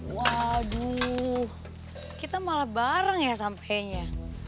waduh kita malah bareng ya sampenya